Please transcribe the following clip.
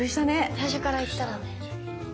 最初からいったらね。